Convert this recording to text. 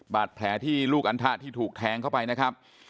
บาดแผลที่ลูกอันทะที่ถูกแทงเข้าไปนะครับ